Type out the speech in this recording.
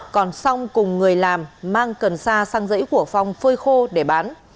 còn xong cùng người làm mang cần sa sang dãy của phong phơi khô để bán